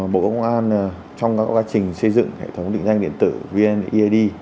bộ công an trong các quá trình xây dựng hệ thống định danh điện tử vned